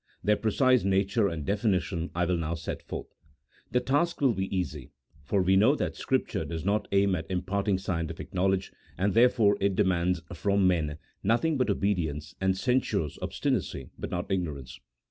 Their precise nature and definition I will now set forth. The task will be easy, for we know that Scripture does not aim at im parting scientific knowledge, and, therefore, it demands from men nothing but obedienco, and censures obstinacy, but not ignorance.